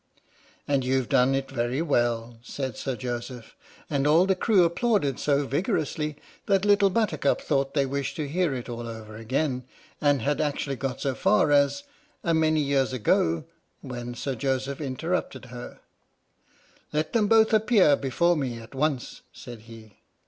"And you've done it very well," said Sir Joseph, and all the crew applauded so vigorously that Little Buttercup thought they wished to hear it all over again, and had actually got so far as "A many years ago," when Sir Joseph interrupted her: " Let them both appear before me at once," said he.